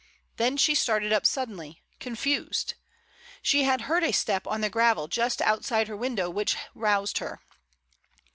Then she started up suddenly, confused; she had heard a step on the gravel just outside her window which roused her.